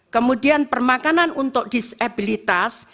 kemudian permakanan untuk disabilitas